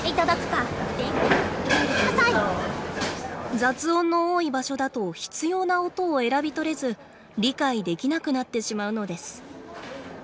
雑音の多い場所だと必要な音を選びとれず理解できなくなってしまうのです。